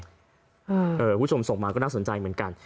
คุณผู้ชมส่งมาก็น่าสนใจเหมือนกัน